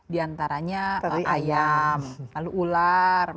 di antaranya ayam lalu ular